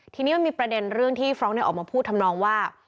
ทีนี้มันมีประเด็นเรื่องที่ฟรองก์ออกมาพูดทำนองว่า